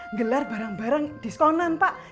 ngelar barang barang diskonan pak